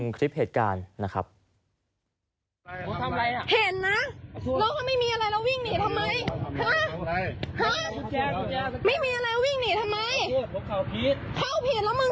ขอโทษนะครับขอบคุณ